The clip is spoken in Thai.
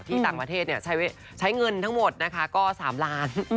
ต่างประเทศใช้เงินทั้งหมดนะคะก็๓ล้าน